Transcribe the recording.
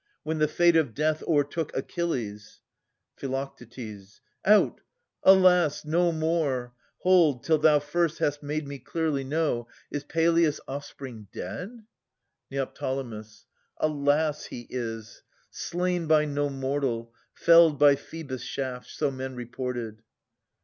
When the fate of death O'ertook Achilles Phi. Out, alas ! no more ! Hold, till thou first hast made me clearly know, 333 359] Philodetes 279 Is Peleus' oflfspring dead? Neo. Alas ! he is, Slain by no mortal, felled by Phoebus' shaft : So men reported.